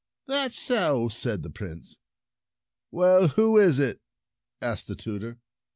" That's so," said the Prince. "Well, who is it?" asked the tutor.